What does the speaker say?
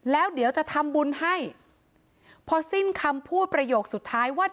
แล้วเดี๋ยวจะทำบุญให้พอสิ้นคำพูดประโยคสุดท้ายว่า